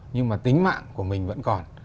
nhưng mà tính mạng của mình vẫn còn